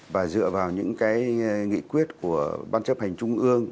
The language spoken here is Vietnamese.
và dựa vào những cái nghị quyết của ban chấp hành trung ương